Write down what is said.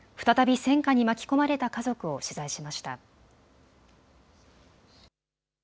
再び戦禍に巻き込まれた家族を取材しました。